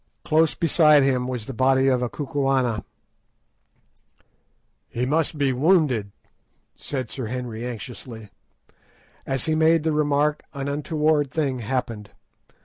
Close beside him was the body of a Kukuana. "He must be wounded," said Sir Henry anxiously. As he made the remark, an untoward thing happened.